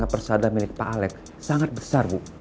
i love you tuh pangeran